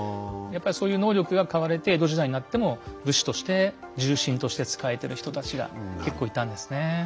やっぱりそういう能力が買われて江戸時代になっても武士として重臣として仕えてる人たちが結構いたんですね。